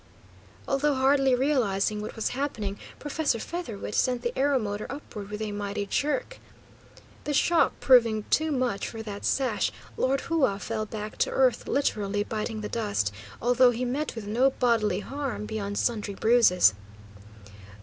Although hardly realising what was happening, Professor Featherwit sent the aeromotor upward with a mighty jerk. The shock proving too much for that sash, Lord Hua fell back to earth, literally biting the dust, although he met with no bodily harm beyond sundry bruises.